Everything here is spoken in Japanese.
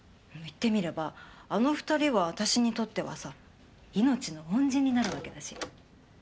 言ってみればあの２人は私にとってはさ命の恩人になるわけだし。